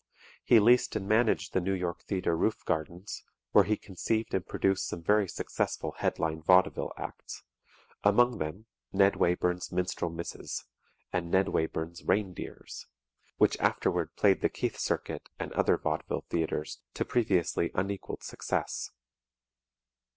He leased and managed the New York Theatre Roof Gardens, where he conceived and produced some very successful headline vaudeville acts, among them, "Ned Wayburn's Minstrel Misses," and "Ned Wayburn's Rain dears," which afterward played the Keith circuit and other vaudeville theatres to previously unequaled success.